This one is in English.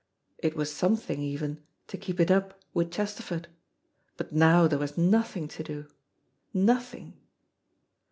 It was something even to keep it up with Chesterford, but now there was nothing to do nothing.